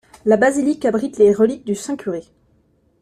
La basilique abrite les reliques du saint curé.